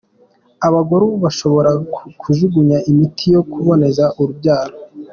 "Abagore ubu bashobora kujugunya imiti yo kuboneza urubyaro.